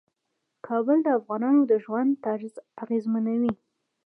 کابل د افغانانو د ژوند طرز اغېزمنوي.